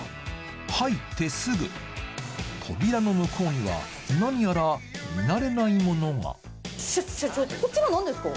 入ってすぐ扉の向こうには何やら見慣れないものが社長こちら何ですか？